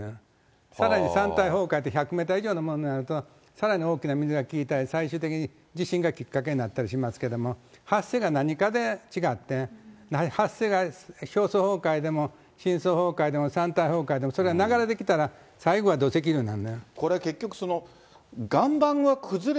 さらに山体崩壊で１００メートル以上のものになると、さらに大きな水が引いたり、最終的に地震がきっかけになったりしますけれども、発生が何かで違って、発生が表層崩壊でも、深層崩壊でも、山体崩壊でも、それは流れてきたら最後は土石流になる。